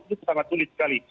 itu sangat sulit sekali